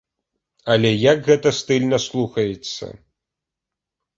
Але як гэта стыльна слухаецца!